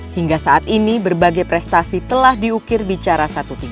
hingga saat ini berbagai prestasi telah diukir bicara satu tiga